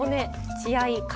血合い皮